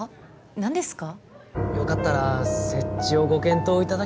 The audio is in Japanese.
何ですか？